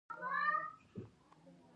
زیاتره یې په ودانیزو کارونو کې کارول کېږي.